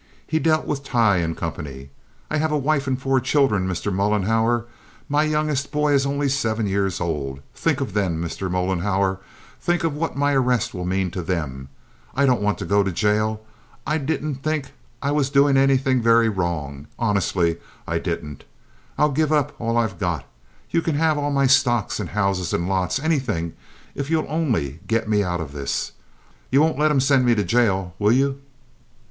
He dealt with Tighe and Company. I have a wife and four children, Mr. Mollenhauer. My youngest boy is only seven years old. Think of them, Mr. Mollenhauer! Think of what my arrest will mean to them! I don't want to go to jail. I didn't think I was doing anything very wrong—honestly I didn't. I'll give up all I've got. You can have all my stocks and houses and lots—anything—if you'll only get me out of this. You won't let 'em send me to jail, will you?"